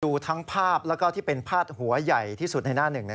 ดูทั้งภาพแล้วก็ที่เป็นพาดหัวใหญ่ที่สุดในหน้าหนึ่ง